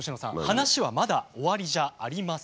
話はまだ終わりじゃありません。